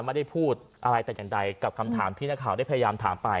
ไม่ได้พูดอะไรแต่อย่างใดกับคำถามที่นักข่าวได้พยายามถามไป